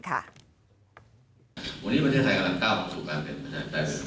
ประเภทไทยกำลังก้าวขึ้นอะไร